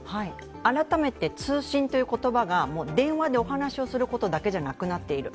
改めて通信という言葉が、電話でお話をすることだけじゃなくなっている。